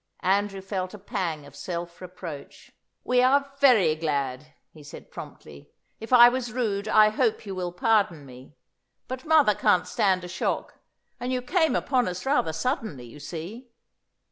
Andrew felt a pang of self reproach. "We are very glad," he said promptly. "If I was rude I hope you will pardon me. But mother can't stand a shock, and you came upon us rather suddenly, you see."